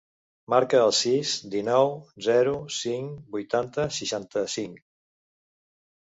Marca el sis, dinou, zero, cinc, vuitanta, seixanta-cinc.